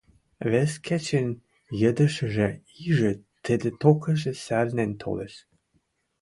Вес кечӹн йыдешӹжӹ ижӹ тӹдӹ токыжы сӓрнен толеш.